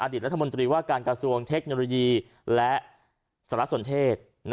รัฐมนตรีว่าการกระทรวงเทคโนโลยีและสหรัฐสนเทศ